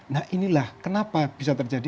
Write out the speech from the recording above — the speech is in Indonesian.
nah inilah kenapa bisa terjadi